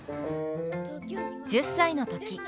１０歳の時。